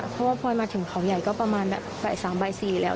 เพราะว่าพลมาถึงเขาใหญ่ก็ประมาณ๓๓๐แล้ว